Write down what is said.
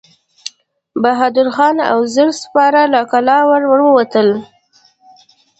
بهادر خان او زر سپاره له کلا ور ووتل.